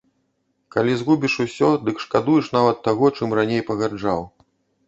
Калі згубіш усё, дык шкадуеш нават таго, чым раней пагарджаў.